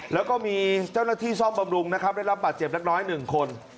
แล้วก็มีเจ้าหน้าที่ซ่อมบำรุงนะครับได้รับบาดเจ็บเล็กน้อย๑คน